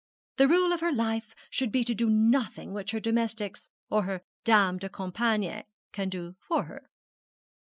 The rule of her life should be to do nothing which her domestics or her dame de compagnie can do for her.'